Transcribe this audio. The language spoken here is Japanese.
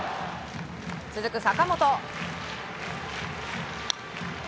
続く坂本。